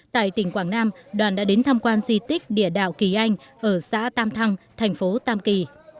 tại tỉnh quảng nam đoàn đã đến tham quan di tích địa đạo kỳ anh ở xã tam thăng thành phố tam kỳ